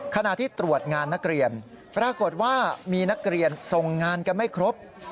ขณะที่ตรวจงานนักเรียนปรากฏว่ามีนักเรียนส่งงานกันไม่ครบ